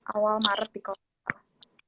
awal maret di kota